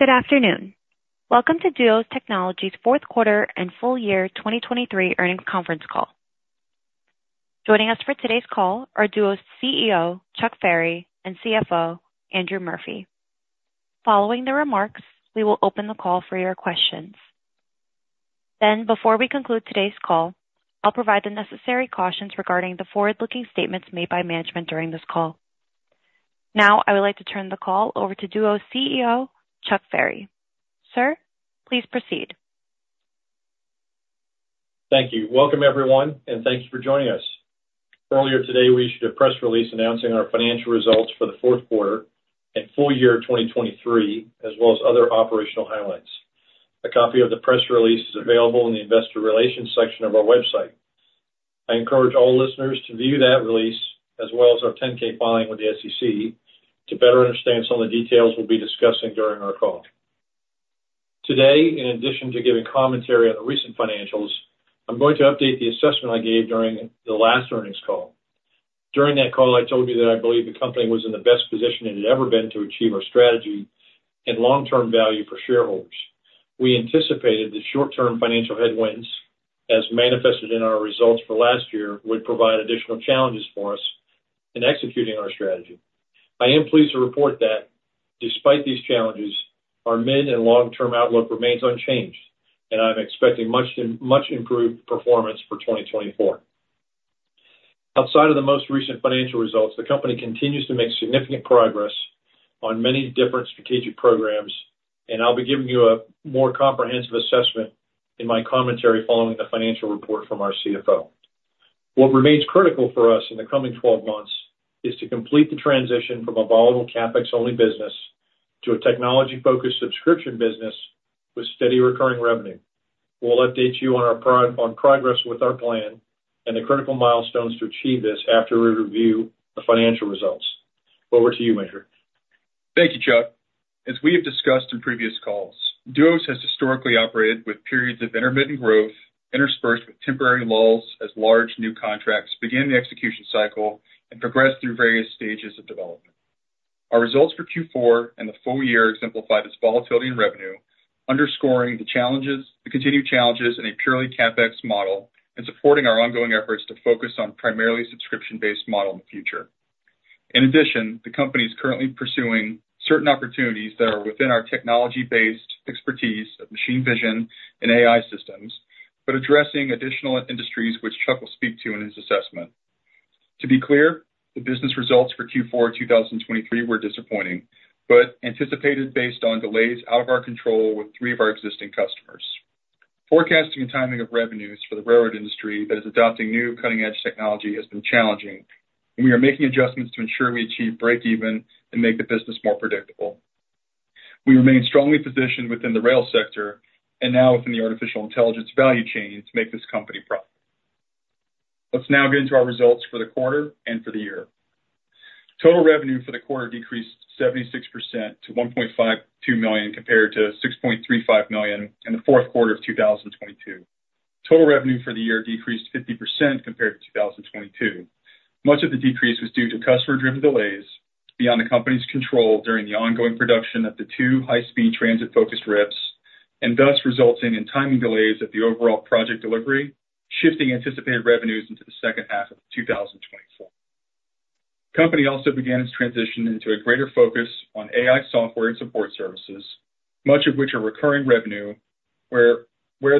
Good afternoon. Welcome to Duos Technologies' fourth quarter and full year 2023 earnings conference call. Joining us for today's call are Duos CEO Chuck Ferry and CFO Andrew Murphy. Following the remarks, we will open the call for your questions. Then, before we conclude today's call, I'll provide the necessary cautions regarding the forward-looking statements made by management during this call. Now I would like to turn the call over to Duos CEO Chuck Ferry. Sir, please proceed. Thank you. Welcome, everyone, and thank you for joining us. Earlier today, we issued a press release announcing our financial results for the fourth quarter and full year 2023, as well as other operational highlights. A copy of the press release is available in the investor relations section of our website. I encourage all listeners to view that release, as well as our 10-K filing with the SEC, to better understand some of the details we'll be discussing during our call. Today, in addition to giving commentary on the recent financials, I'm going to update the assessment I gave during the last earnings call. During that call, I told you that I believe the company was in the best position it had ever been to achieve our strategy and long-term value for shareholders. We anticipated that short-term financial headwinds, as manifested in our results for last year, would provide additional challenges for us in executing our strategy. I am pleased to report that, despite these challenges, our mid- and long-term outlook remains unchanged, and I'm expecting much improved performance for 2024. Outside of the most recent financial results, the company continues to make significant progress on many different strategic programs, and I'll be giving you a more comprehensive assessment in my commentary following the financial report from our CFO. What remains critical for us in the coming 12 months is to complete the transition from a volatile CapEx-only business to a technology-focused subscription business with steady recurring revenue. We'll update you on progress with our plan and the critical milestones to achieve this after we review the financial results. Over to you, Andrew. Thank you, Chuck. As we have discussed in previous calls, Duos has historically operated with periods of intermittent growth interspersed with temporary lulls as large new contracts begin the execution cycle and progress through various stages of development. Our results for Q4 and the full year exemplify this volatility in revenue, underscoring the continued challenges in a purely CapEx model and supporting our ongoing efforts to focus on a primarily subscription-based model in the future. In addition, the company is currently pursuing certain opportunities that are within our technology-based expertise of machine vision and AI systems, but addressing additional industries which Chuck will speak to in his assessment. To be clear, the business results for Q4 2023 were disappointing, but anticipated based on delays out of our control with three of our existing customers. Forecasting and timing of revenues for the railroad industry that is adopting new cutting-edge technology has been challenging, and we are making adjustments to ensure we achieve break-even and make the business more predictable. We remain strongly positioned within the rail sector and now within the artificial intelligence value chain to make this company profit. Let's now get into our results for the quarter and for the year. Total revenue for the quarter decreased 76% to $1.52 million compared to $6.35 million in the fourth quarter of 2022. Total revenue for the year decreased 50% compared to 2022. Much of the decrease was due to customer-driven delays beyond the company's control during the ongoing production of the two high-speed transit-focused RIPs, and thus resulting in timing delays at the overall project delivery, shifting anticipated revenues into the second half of 2024. The company also began its transition into a greater focus on AI software and support services, much of which are recurring revenue, where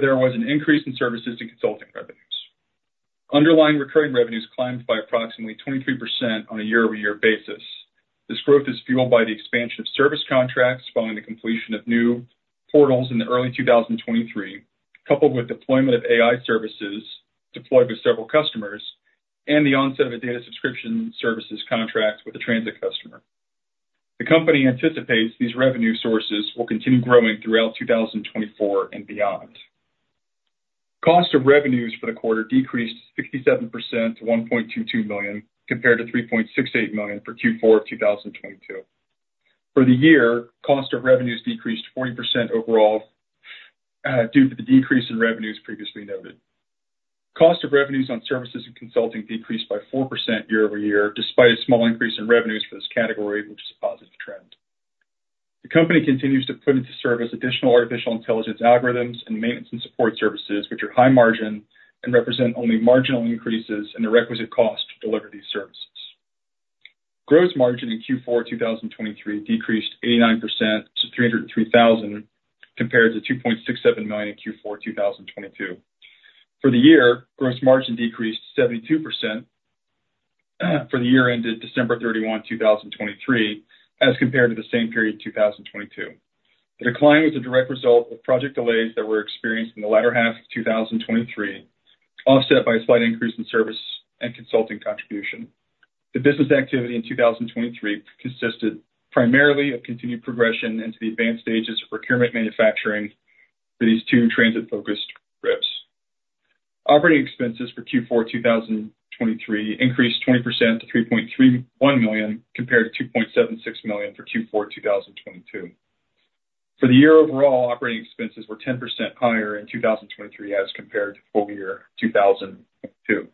there was an increase in services and consulting revenues. Underlying recurring revenues climbed by approximately 23% on a year-over-year basis. This growth is fueled by the expansion of service contracts following the completion of new portals in the early 2023, coupled with deployment of AI services deployed with several customers, and the onset of a data subscription services contract with a transit customer. The company anticipates these revenue sources will continue growing throughout 2024 and beyond. Cost of revenues for the quarter decreased 67% to $1.22 million compared to $3.68 million for Q4 of 2022. For the year, cost of revenues decreased 40% overall due to the decrease in revenues previously noted. Cost of revenues on services and consulting decreased by 4% year-over-year, despite a small increase in revenues for this category, which is a positive trend. The company continues to put into service additional artificial intelligence algorithms and maintenance and support services, which are high margin and represent only marginal increases in the requisite cost to deliver these services. Gross margin in Q4 2023 decreased 89% to $303,000 compared to $2.67 million in Q4 2022. For the year, gross margin decreased 72% for the year ended December 31, 2023, as compared to the same period in 2022. The decline was a direct result of project delays that were experienced in the latter half of 2023, offset by a slight increase in service and consulting contribution. The business activity in 2023 consisted primarily of continued progression into the advanced stages of procurement manufacturing for these two transit-focused RIPs. Operating expenses for Q4 2023 increased 20% to $3.31 million compared to $2.76 million for Q4 2022. For the year overall, operating expenses were 10% higher in 2023 as compared to full year 2022.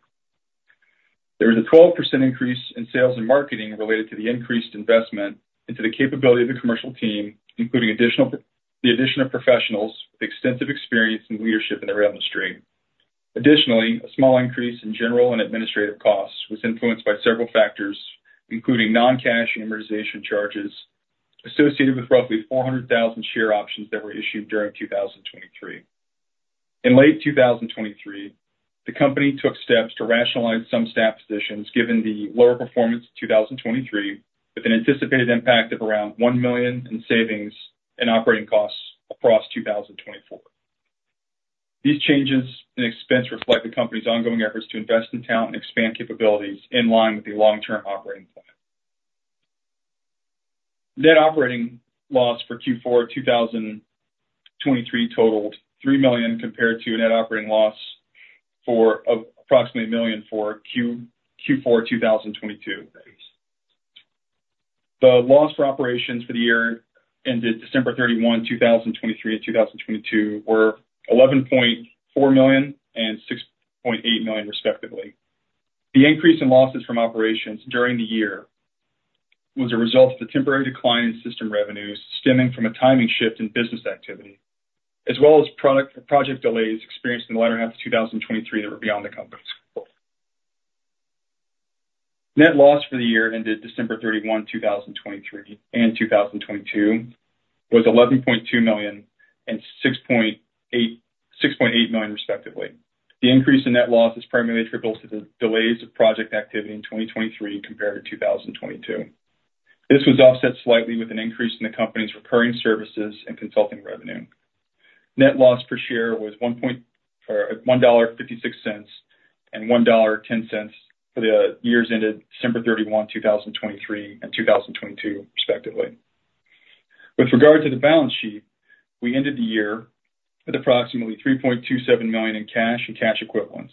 There was a 12% increase in sales and marketing related to the increased investment into the capability of the commercial team, including the addition of professionals with extensive experience and leadership in the rail industry. Additionally, a small increase in general and administrative costs was influenced by several factors, including non-cash amortization charges associated with roughly 400,000 share options that were issued during 2023. In late 2023, the company took steps to rationalize some staff positions given the lower performance in 2023, with an anticipated impact of around $1 million in savings and operating costs across 2024. These changes in expense reflect the company's ongoing efforts to invest in talent and expand capabilities in line with the long-term operating plan. Net operating loss for Q4 2023 totaled $3 million compared to a net operating loss of approximately $1 million for Q4 2022. The loss for operations for the year ended December 31, 2023, and 2022 were $11.4 million and $6.8 million, respectively. The increase in losses from operations during the year was a result of the temporary decline in system revenues stemming from a timing shift in business activity, as well as project delays experienced in the latter half of 2023 that were beyond the company's control. Net loss for the year ended December 31, 2023, and 2022 was $11.2 million and $6.8 million, respectively. The increase in net loss is primarily attributable to the delays of project activity in 2023 compared to 2022. This was offset slightly with an increase in the company's recurring services and consulting revenue. Net loss per share was $1.56 and $1.10 for the years ended December 31, 2023, and 2022, respectively. With regard to the balance sheet, we ended the year with approximately $3.27 million in cash and cash equivalents.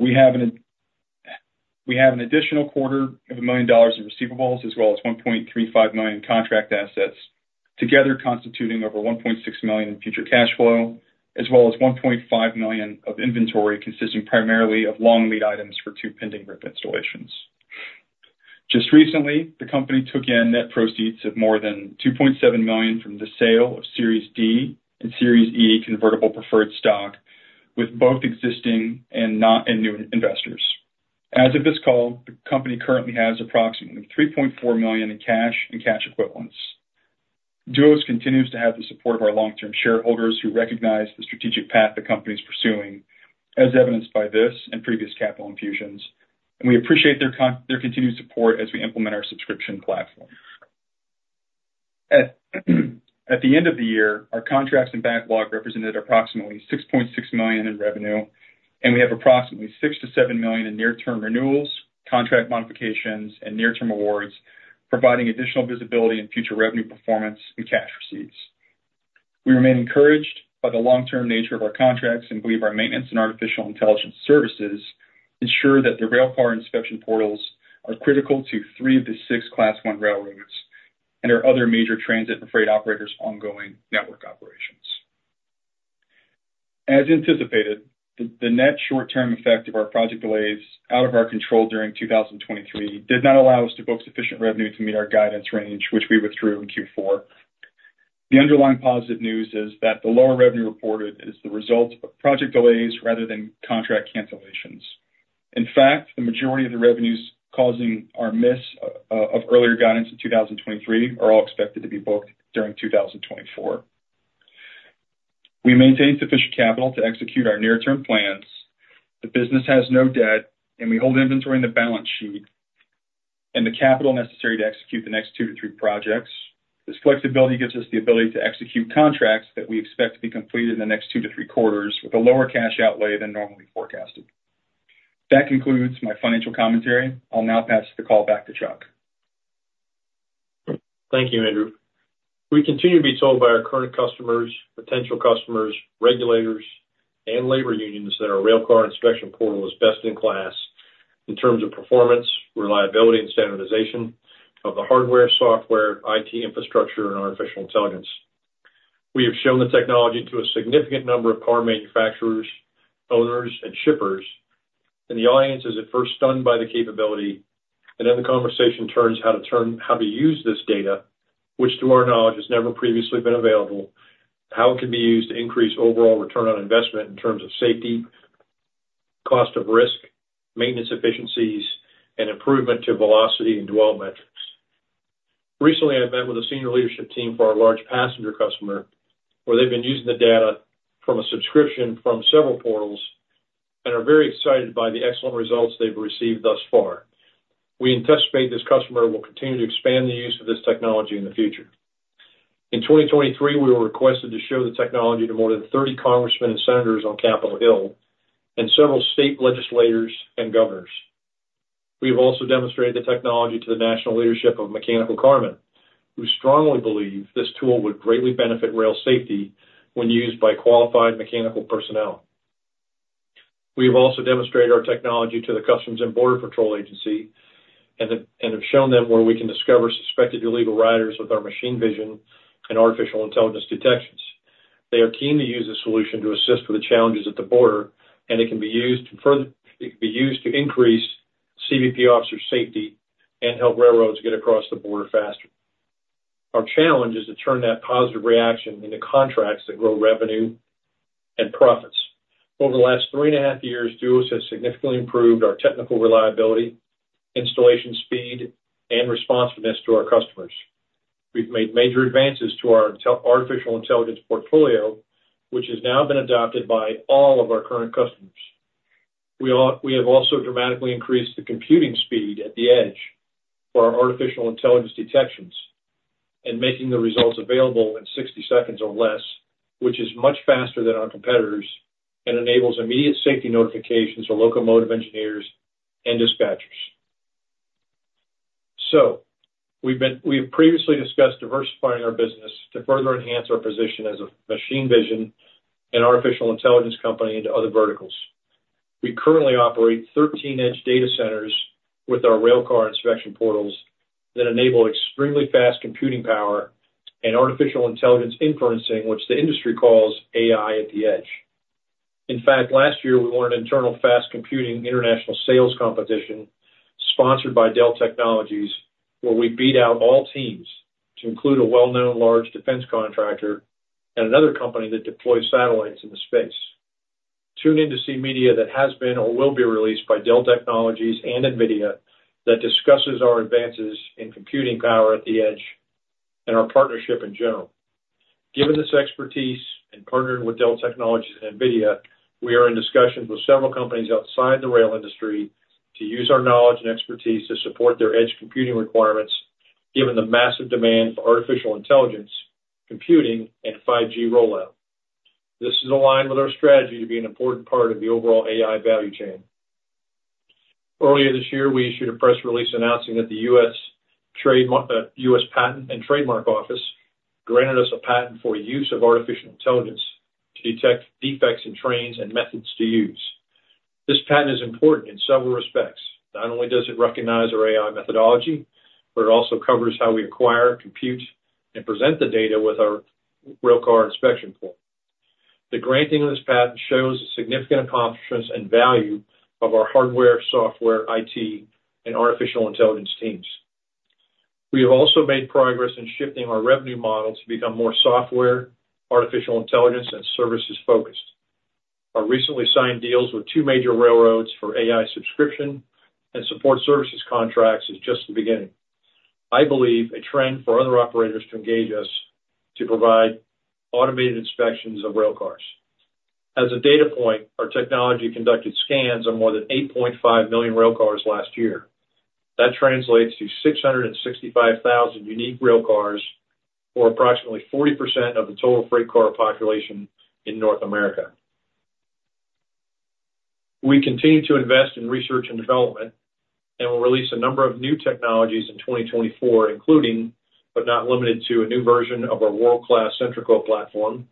We have an additional quarter of a million dollars in receivables, as well as $1.35 million contract assets, together constituting over $1.6 million in future cash flow, as well as $1.5 million of inventory consisting primarily of long lead items for two pending RIP installations. Just recently, the company took in net proceeds of more than $2.7 million from the sale of Series D and Series E convertible preferred stock with both existing and new investors. As of this call, the company currently has approximately $3.4 million in cash and cash equivalents. Duos continues to have the support of our long-term shareholders who recognize the strategic path the company is pursuing, as evidenced by this and previous capital infusions, and we appreciate their continued support as we implement our subscription platform. At the end of the year, our contracts and backlog represented approximately $6.6 million in revenue, and we have approximately $6-7 million in near-term renewals, contract modifications, and near-term awards, providing additional visibility in future revenue performance and cash receipts. We remain encouraged by the long-term nature of our contracts and believe our maintenance and artificial intelligence services ensure that the Railcar Inspection Portals are critical to three of the six Class I railroads and our other major transit and freight operators' ongoing network operations. As anticipated, the net short-term effect of our project delays out of our control during 2023 did not allow us to book sufficient revenue to meet our guidance range, which we withdrew in Q4. The underlying positive news is that the lower revenue reported is the result of project delays rather than contract cancellations. In fact, the majority of the revenues causing our miss of earlier guidance in 2023 are all expected to be booked during 2024. We maintain sufficient capital to execute our near-term plans. The business has no debt, and we hold inventory in the balance sheet and the capital necessary to execute the next two to three projects. This flexibility gives us the ability to execute contracts that we expect to be completed in the next two to three quarters with a lower cash outlay than normally forecasted. That concludes my financial commentary. I'll now pass the call back to Chuck. Thank you, Andrew. We continue to be told by our current customers, potential customers, regulators, and labor unions that our Railcar Inspection Portals is best in class in terms of performance, reliability, and standardization of the hardware, software, IT infrastructure, and artificial intelligence. We have shown the technology to a significant number of car manufacturers, owners, and shippers, and the audience is at first stunned by the capability. And then the conversation turns to how to use this data, which, to our knowledge, has never previously been available, how it can be used to increase overall return on investment in terms of safety, cost of risk, maintenance efficiencies, and improvement to velocity and dwell metrics. Recently, I met with a senior leadership team for our large passenger customer, where they've been using the data from a subscription from several portals and are very excited by the excellent results they've received thus far. We anticipate this customer will continue to expand the use of this technology in the future. In 2023, we were requested to show the technology to more than 30 congressmen and senators on Capitol Hill and several state legislators and governors. We have also demonstrated the technology to the national leadership of mechanical carmen, who strongly believe this tool would greatly benefit rail safety when used by qualified mechanical personnel. We have also demonstrated our technology to the Customs and Border Protection and have shown them where we can discover suspected illegal riders with our machine vision and artificial intelligence detections. They are keen to use this solution to assist with the challenges at the border, and it can be used to increase CBP officers' safety and help railroads get across the border faster. Our challenge is to turn that positive reaction into contracts that grow revenue and profits. Over the last 3.5 years, Duos has significantly improved our technical reliability, installation speed, and responsiveness to our customers. We've made major advances to our artificial intelligence portfolio, which has now been adopted by all of our current customers. We have also dramatically increased the computing speed at the edge for our artificial intelligence detections and making the results available in 60 seconds or less, which is much faster than our competitors and enables immediate safety notifications to locomotive engineers and dispatchers. So we have previously discussed diversifying our business to further enhance our position as a machine vision and artificial intelligence company into other verticals. We currently operate 13 edge data centers with our Railcar Inspection Portals that enable extremely fast computing power and artificial intelligence inferencing, which the industry calls AI at the edge. In fact, last year, we won an internal fast computing international sales competition sponsored by Dell Technologies, where we beat out all teams to include a well-known large defense contractor and another company that deploys satellites in the space. Tune in to see media that has been or will be released by Dell Technologies and NVIDIA that discusses our advances in computing power at the edge and our partnership in general. Given this expertise and partnering with Dell Technologies and NVIDIA, we are in discussions with several companies outside the rail industry to use our knowledge and expertise to support their edge computing requirements, given the massive demand for artificial intelligence, computing, and 5G rollout. This is aligned with our strategy to be an important part of the overall AI value chain. Earlier this year, we issued a press release announcing that the U.S. Patent and Trademark Office granted us a patent for use of artificial intelligence to detect defects in trains and methods to use. This patent is important in several respects. Not only does it recognize our AI methodology, but it also covers how we acquire, compute, and present the data with our Railcar Inspection Portal. The granting of this patent shows the significant accomplishments and value of our hardware, software, IT, and artificial intelligence teams. We have also made progress in shifting our revenue model to become more software, artificial intelligence, and services focused. Our recently signed deals with two major railroads for AI subscription and support services contracts is just the beginning. I believe a trend for other operators to engage us to provide automated inspections of railcars. As a data point, our technology conducted scans on more than 8.5 million railcars last year. That translates to 665,000 unique railcars for approximately 40% of the total freight car population in North America. We continue to invest in research and development and will release a number of new technologies in 2024, including but not limited to a new version of our world-class Centraco platform,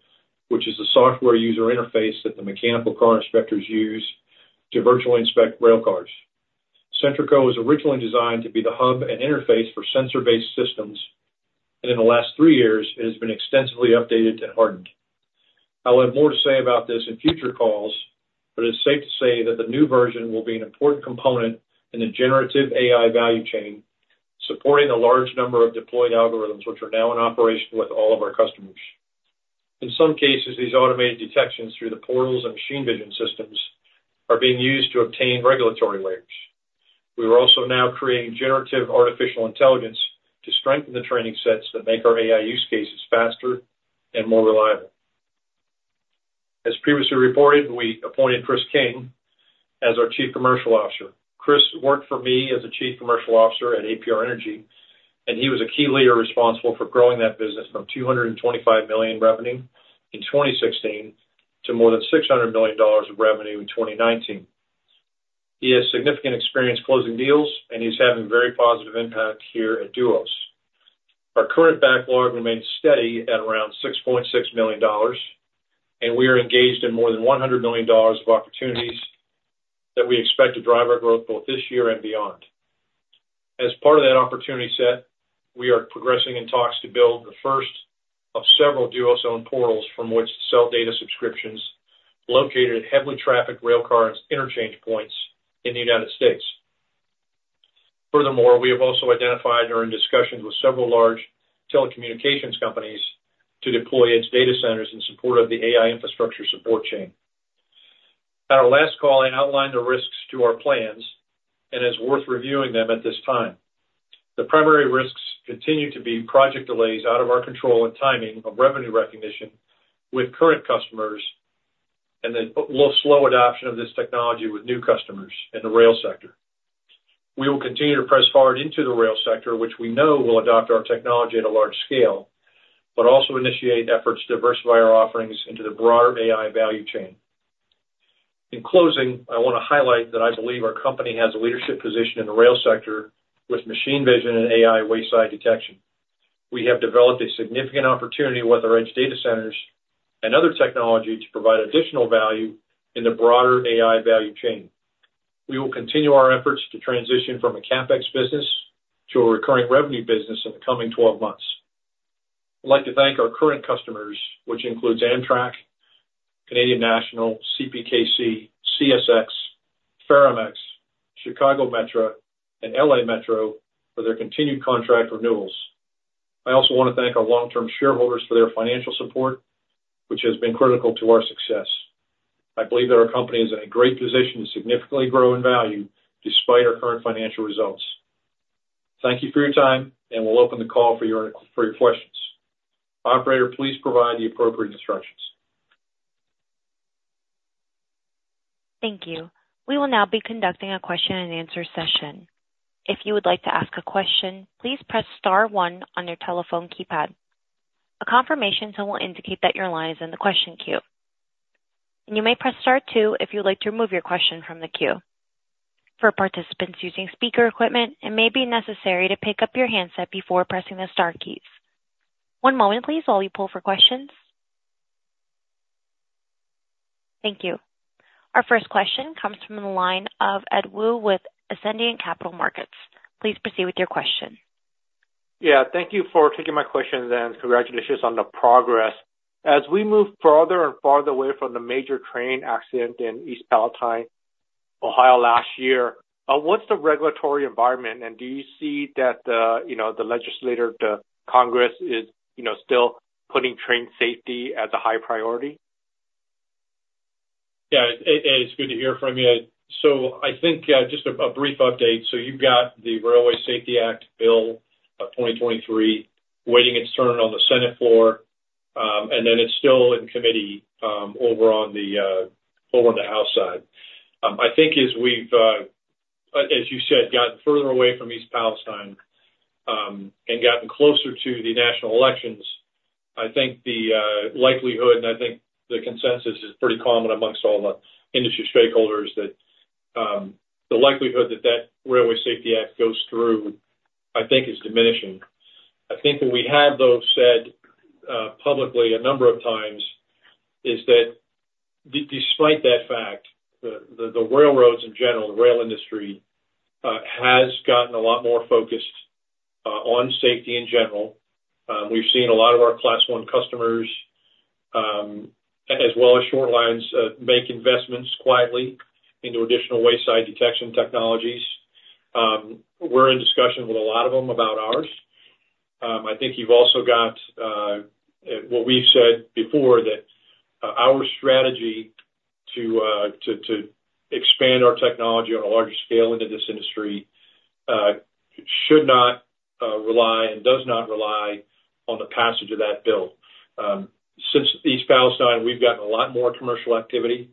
which is the software user interface that the mechanical car inspectors use to virtually inspect railcars. Centraco was originally designed to be the hub and interface for sensor-based systems, and in the last three years, it has been extensively updated and hardened. I'll have more to say about this in future calls, but it's safe to say that the new version will be an important component in the generative AI value chain, supporting a large number of deployed algorithms, which are now in operation with all of our customers. In some cases, these automated detections through the portals and machine vision systems are being used to obtain regulatory layers. We are also now creating generative artificial intelligence to strengthen the training sets that make our AI use cases faster and more reliable. As previously reported, we appointed Chris King as our Chief Commercial Officer. Chris worked for me as a Chief Commercial Officer at APR Energy, and he was a key leader responsible for growing that business from $225 million revenue in 2016 to more than $600 million of revenue in 2019. He has significant experience closing deals, and he's having a very positive impact here at Duos. Our current backlog remains steady at around $6.6 million, and we are engaged in more than $100 million of opportunities that we expect to drive our growth both this year and beyond. As part of that opportunity set, we are progressing in talks to build the first of several Duos-owned portals from which to sell data subscriptions located at heavily trafficked railcar interchange points in the United States. Furthermore, we have also identified during discussions with several large telecommunications companies to deploy edge data centers in support of the AI infrastructure support chain. At our last call, I outlined the risks to our plans and it's worth reviewing them at this time. The primary risks continue to be project delays out of our control and timing of revenue recognition with current customers and the slow adoption of this technology with new customers in the rail sector. We will continue to press forward into the rail sector, which we know will adopt our technology at a large scale, but also initiate efforts to diversify our offerings into the broader AI value chain. In closing, I want to highlight that I believe our company has a leadership position in the rail sector with machine vision and AI wayside detection. We have developed a significant opportunity with our edge data centers and other technology to provide additional value in the broader AI value chain. We will continue our efforts to transition from a CapEx business to a recurring revenue business in the coming 12 months. I'd like to thank our current customers, which includes Amtrak, Canadian National, CPKC, CSX, Ferromex, Chicago Metra, and LA Metro, for their continued contract renewals. I also want to thank our long-term shareholders for their financial support, which has been critical to our success. I believe that our company is in a great position to significantly grow in value despite our current financial results. Thank you for your time, and we'll open the call for your questions. Operator, please provide the appropriate instructions. Thank you. We will now be conducting a Q&A session. If you would like to ask a question, please press star one on your telephone keypad. A confirmation tone indicates that your line is in the question queue. You may press star two if you'd like to remove your question from the queue. For participants using speaker equipment, it may be necessary to pick up your handset before pressing the star keys. One moment, please, while we poll for questions. Thank you. Our first question comes from the line of Ed Woo with Ascendiant Capital Markets. Please proceed with your question. Yeah. Thank you for taking my questions and congratulations on the progress. As we move farther and farther away from the major train accident in East Palestine, Ohio, last year, what's the regulatory environment, and do you see that the legislators, the Congress, is still putting train safety as a high priority? Yeah. It's good to hear from you. So I think just a brief update. So you've got the Railway Safety Act bill of 2023 waiting its turn on the Senate floor, and then it's still in committee over on the House side. I think as we've, as you said, gotten further away from East Palestine and gotten closer to the national elections, I think the likelihood, and I think the consensus is pretty common amongst all the industry stakeholders, that the likelihood that that Railway Safety Act goes through, I think, is diminishing. I think what we have, though, said publicly a number of times is that despite that fact, the railroads in general, the rail industry, has gotten a lot more focused on safety in general. We've seen a lot of our Class I customers, as well as short lines, make investments quietly into additional wayside detection technologies. We're in discussion with a lot of them about ours. I think you've also got what we've said before, that our strategy to expand our technology on a larger scale into this industry should not rely and does not rely on the passage of that bill. Since East Palestine, we've gotten a lot more commercial activity.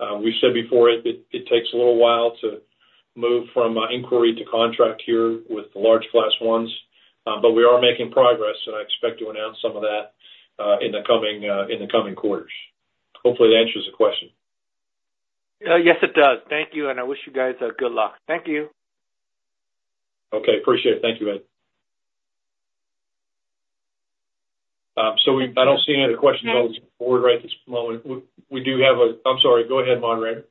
We've said before it takes a little while to move from inquiry to contract here with the large Class I's, but we are making progress, and I expect to announce some of that in the coming quarters. Hopefully, that answers the question. Yes, it does. Thank you, and I wish you guys good luck. Thank you. Okay. Appreciate it. Thank you, Ed. So I don't see any other questions on the board right this moment. We do have a. I'm sorry. Go ahead, moderator.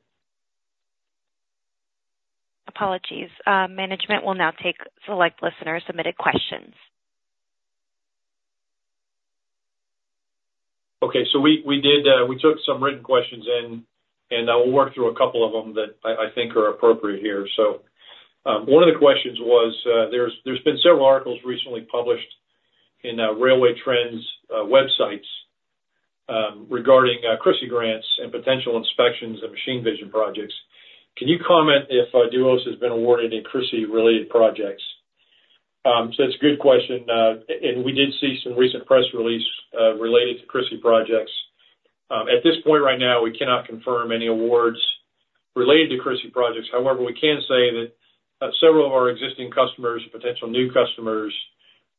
Apologies. Management will now take select listeners' submitted questions. Okay. So we took some written questions, and I will work through a couple of them that I think are appropriate here. So one of the questions was there's been several articles recently published in Railway Trends websites regarding CRISI Grants and potential inspections of machine vision projects. Can you comment if Duos has been awarded any CRISI-related projects? So that's a good question, and we did see some recent press release related to CRISI projects. At this point right now, we cannot confirm any awards related to CRISI projects. However, we can say that several of our existing customers and potential new customers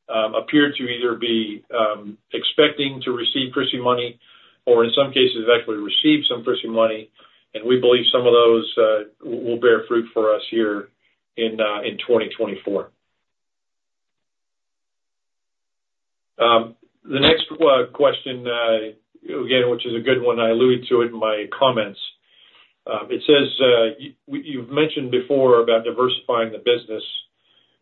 appear to either be expecting to receive CRISI money or, in some cases, have actually received some CRISI money, and we believe some of those will bear fruit for us here in 2024. The next question, again, which is a good one, I alluded to it in my comments. It says you've mentioned before about diversifying the business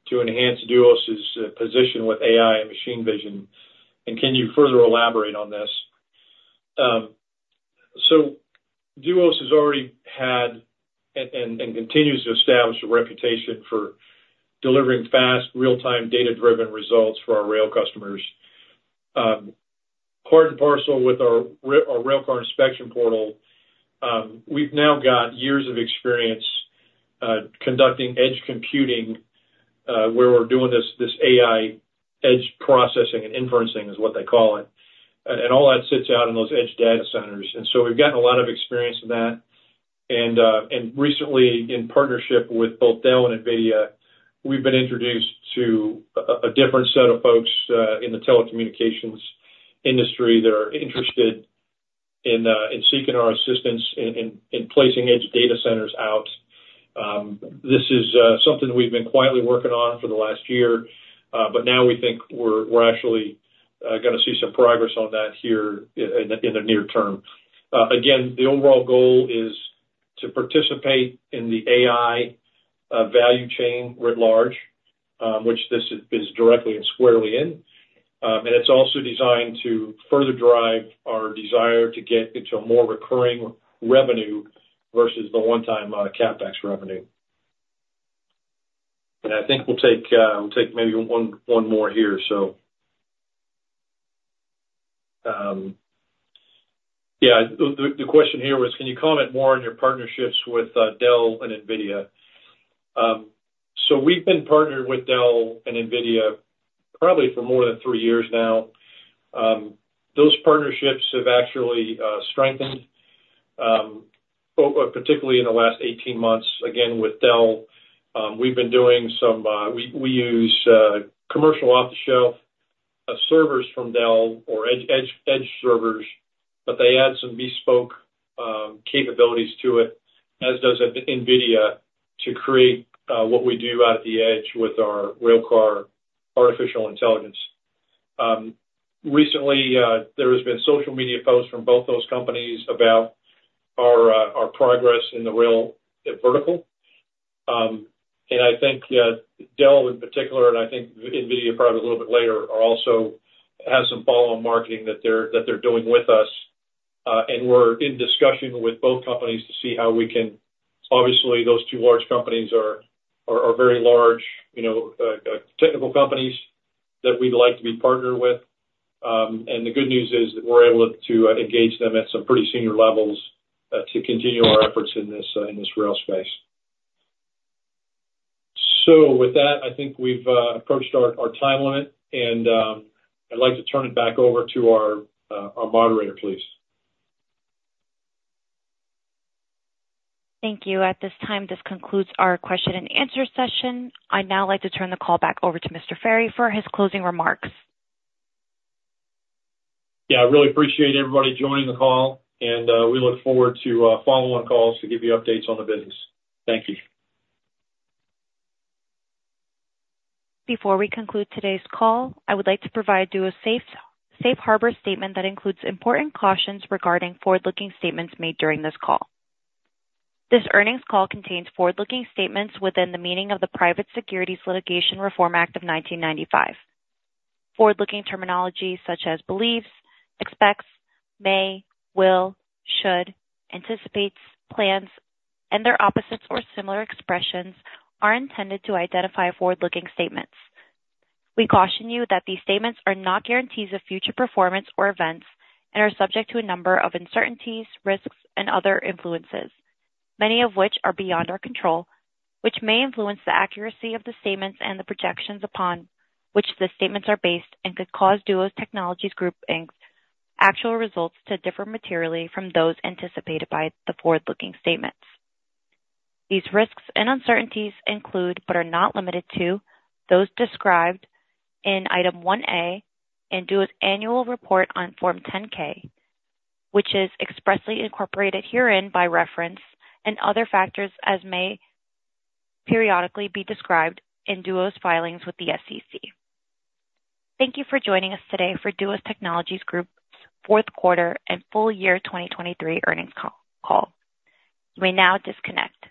to enhance Duos's position with AI and machine vision, and can you further elaborate on this? So Duos has already had and continues to establish a reputation for delivering fast, real-time, data-driven results for our rail customers. Part and parcel with our Railcar Inspection Portals, we've now got years of experience conducting edge computing where we're doing this AI edge processing and inferencing, is what they call it, and all that sits out in those edge data centers. And so we've gotten a lot of experience in that. And recently, in partnership with both Dell and NVIDIA, we've been introduced to a different set of folks in the telecommunications industry that are interested in seeking our assistance in placing edge data centers out. This is something that we've been quietly working on for the last year, but now we think we're actually going to see some progress on that here in the near term. Again, the overall goal is to participate in the AI value chain writ large, which this is directly and squarely in, and it's also designed to further drive our desire to get into a more recurring revenue versus the one-time CapEx revenue. I think we'll take maybe one more here, so. Yeah. The question here was, can you comment more on your partnerships with Dell and NVIDIA? So we've been partnered with Dell and NVIDIA probably for more than three years now. Those partnerships have actually strengthened, particularly in the last 18 months. Again, with Dell, we've been doing some we use commercial off-the-shelf servers from Dell or edge servers, but they add some bespoke capabilities to it, as does NVIDIA, to create what we do out at the edge with our railcar artificial intelligence. Recently, there have been social media posts from both those companies about our progress in the rail vertical. And I think Dell, in particular, and I think NVIDIA probably a little bit later, also has some follow-on marketing that they're doing with us, and we're in discussion with both companies to see how we can obviously, those two large companies are very large technical companies that we'd like to be partnered with. And the good news is that we're able to engage them at some pretty senior levels to continue our efforts in this rail space. With that, I think we've approached our time limit, and I'd like to turn it back over to our moderator, please. Thank you. At this time, this concludes our question-and-answer session. I'd now like to turn the call back over to Mr. Ferry for his closing remarks. Yeah. I really appreciate everybody joining the call, and we look forward to follow-on calls to give you updates on the business. Thank you. Before we conclude today's call, I would like to provide Duos' safe harbor statement that includes important cautions regarding forward-looking statements made during this call. This earnings call contains forward-looking statements within the meaning of the Private Securities Litigation Reform Act of 1995. Forward-looking terminology such as believes, expects, may, will, should, anticipates, plans, and their opposites or similar expressions are intended to identify forward-looking statements. We caution you that these statements are not guarantees of future performance or events and are subject to a number of uncertainties, risks, and other influences, many of which are beyond our control, which may influence the accuracy of the statements and the projections upon which the statements are based and could cause Duos Technologies Group Inc.'s actual results to differ materially from those anticipated by the forward-looking statements. These risks and uncertainties include but are not limited to those described in Item 1A in Duos' annual report on Form 10-K, which is expressly incorporated herein by reference, and other factors as may periodically be described in Duos' filings with the SEC. Thank you for joining us today for Duos Technologies Group's fourth quarter and full year 2023 earnings call. You may now disconnect.